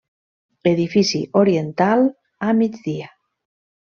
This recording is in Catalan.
Edifici oriental a migdia.